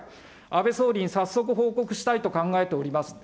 安倍総理に早速報告したいと考えております。